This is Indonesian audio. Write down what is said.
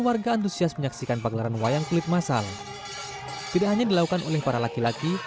warga antusias menyaksikan pagelaran wayang kulit masal tidak hanya dilakukan oleh para laki laki